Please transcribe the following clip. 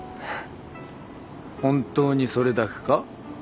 本当にそれだけか？